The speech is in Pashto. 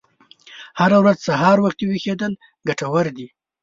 هره ورځ سهار وختي ویښیدل ګټور دي.